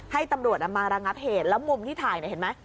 ให้ตำรวจมาระงับเหตุแล้วมุมที่ถ่ายเนี่ยเห็นไหม